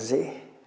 chính vì vậy